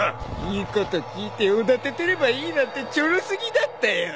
言うこと聞いておだててればいいなんてチョロ過ぎだったよ！